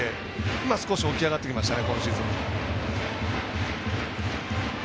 今シーズン起き上がってきましたね。